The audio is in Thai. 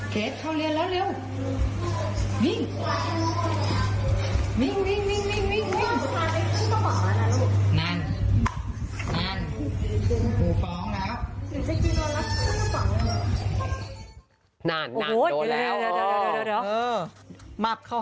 เกรสเข้าเรียนแล้วเวลา